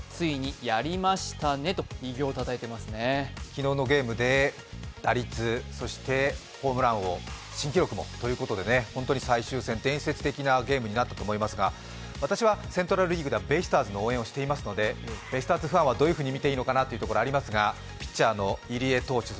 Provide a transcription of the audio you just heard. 機能のゲームで打率、そしてホームラン王新記録もということで、本当に最終戦、伝説的なゲームになったと思いますが、私はセントラル・リーグではベイスターズの応援をしてるのでベイスターズファンはどういうふうに見ていいのかなと思いますがピッチャーの入江投手